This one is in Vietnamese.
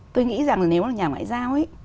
tôi nghĩ rằng nếu là nhà ngoại giao ấy